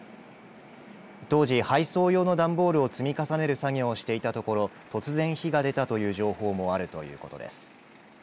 当時、配送用の段ボールを積み重ねる作業をしていたところ突然火が出たという情報もあるということです。